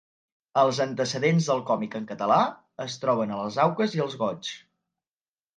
Els antecedents del còmic en català, es troben a les Auques i els Goigs.